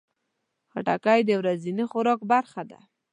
خټکی د ورځني خوراک برخه ده.